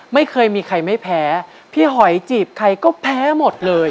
ไม่เคยมีใครไม่แพ้พี่หอยจีบใครก็แพ้หมดเลย